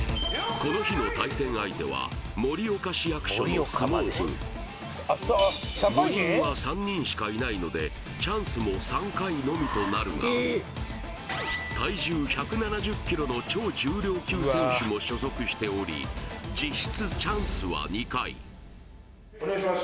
この日の対戦相手は部員は３人しかいないのでチャンスも３回のみとなるが体重１７０キロの超重量級選手も所属しており実質チャンスは２回お願いします